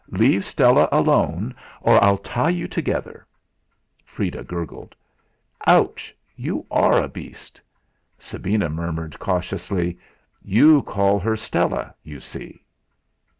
Leave Stella alone, or I'll tie you together!" Freda gurgled: "Ouch! You are a beast!" Sabina murmured cautiously: "You call her Stella, you see!"